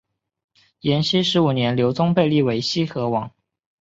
延熙十五年刘琮被立为西河王。